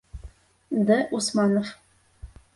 Д. УСМАНОВ.